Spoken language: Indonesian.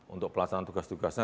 untuk pelaksanaan tugas tugasnya